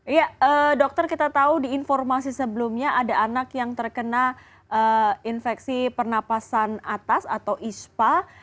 iya dokter kita tahu di informasi sebelumnya ada anak yang terkena infeksi pernapasan atas atau ispa